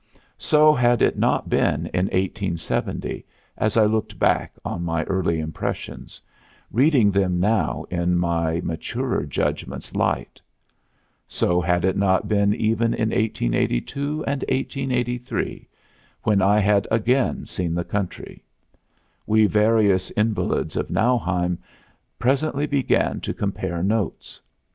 So had it not been in 1870, as I looked back on my early impressions, reading them now in my maturer judgment's light. So had it not been even in 1882 and 1883, when I had again seen the country. We various invalids of Nauheim presently began to compare notes.